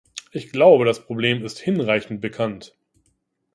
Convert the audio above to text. Ich glaube, das Problem ist hinreichend bekannt.